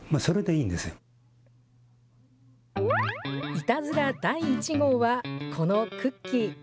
いたずら第１号は、このクッキー。